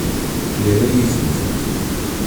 Yerra-yi-tent-id.